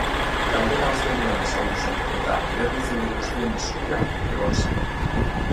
Galdera asteburuan azaldu zen eta erabiltzaile guztien eskura egon zen.